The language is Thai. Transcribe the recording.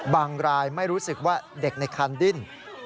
บางรายไม่รู้สึกว่าเด็กในคันดิ้น